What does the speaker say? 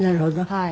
はい。